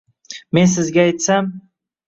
men sizga aytsam.